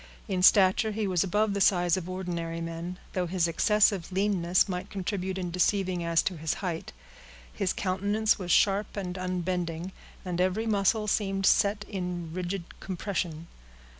In stature he was above the size of ordinary men, though his excessive leanness might contribute in deceiving as to his height; his countenance was sharp and unbending, and every muscle seemed set in rigid compression.